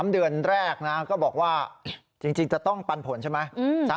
๓เดือนแรกนะก็บอกว่าจริงจะต้องปันผลใช่ไหม